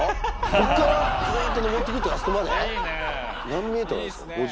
こっからずーっと上ってくってあそこまで？